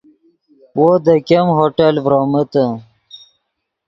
وو دے ګیم ہوٹل ڤرومیتے